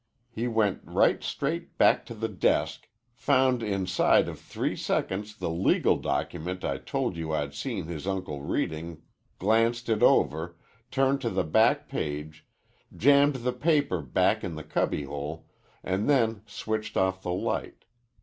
He went right straight back to the desk, found inside of three seconds the legal document I told you I'd seen his uncle reading glanced it over, turned to the back page, jammed the paper back in the cubby hole, an' then switched off the light.